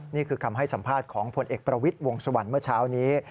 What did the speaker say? นี่คือคำให้สัมภาษณ์ของผลเอกประวิทย์วงสวรรค์เมื่อเช้านี้